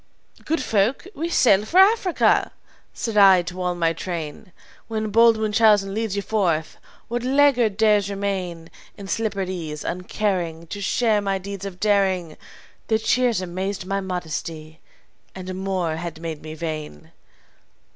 "'Good folk, we sail for Africa,' said I to all my train. 'When bold Munchausen leads you forth, what laggard dares remain In slippered ease, uncaring To share my deeds of daring?' Their cheers amazed my modesty, and more had made me vain.